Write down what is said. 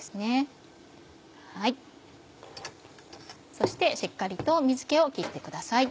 そしてしっかりと水気を切ってください。